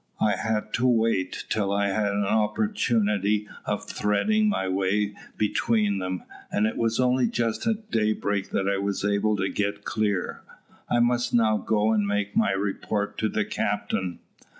I had to wait till I had an opportunity of threading my way between them, and it was only just at daybreak that I was able to get clear. I must now go and make my report to the captain."